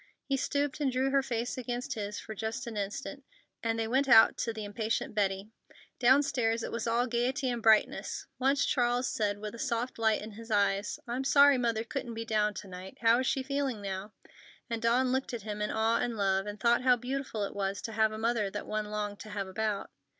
He stooped and drew her face against his for just an instant, and then they went out to the impatient Betty. Downstairs it was all gaiety and brightness. Once Charles said with a soft light in his eyes, "I'm sorry Mother couldn't be down to night. How is she feeling now?" and Dawn looked at him in awe and love, and thought how beautiful it was to have a mother that one longed to have about.